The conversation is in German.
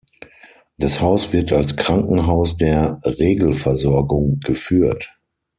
Das Haus wird als Krankenhaus der Regelversorgung geführt.